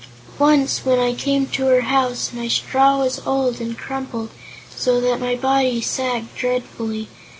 "Once, when I came to her house, my straw was old and crumpled, so that my body sagged dreadfully.